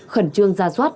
khẩn trương ra soát